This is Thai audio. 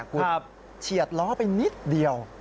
คุณเฉียดล้อไปนิดเดียว